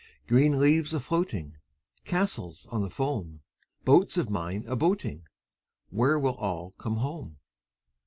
Green leaves a floating, Castles of the foam, Boats of mine a boating— Where will all come home?